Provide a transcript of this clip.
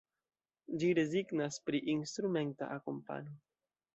Ĝi rezignas pri instrumenta akompano.